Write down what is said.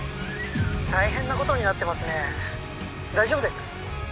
☎大変なことになってますね大丈夫ですか？